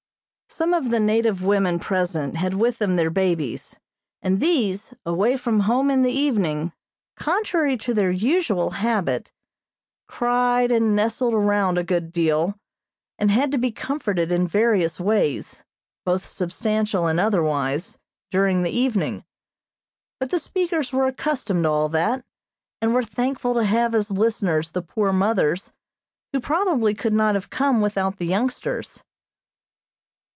Some of the native women present had with them their babies, and these, away from home in the evening, contrary to their usual habit, cried and nestled around a good deal, and had to be comforted in various ways, both substantial and otherwise, during the evening; but the speakers were accustomed to all that, and were thankful to have as listeners the poor mothers, who probably could not have come without the youngsters.